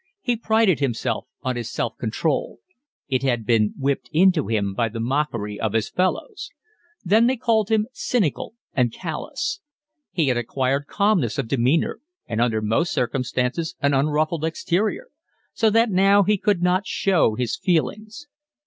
He prided himself on his self control. It had been whipped into him by the mockery of his fellows. Then they called him cynical and callous. He had acquired calmness of demeanour and under most circumstances an unruffled exterior, so that now he could not show his feelings.